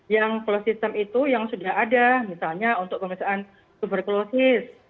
yang closed system itu yang sudah ada misalnya untuk pemeriksaan super closis